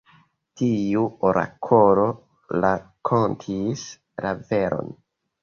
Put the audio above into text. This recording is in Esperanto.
Tiu orakolo rakontis la veron.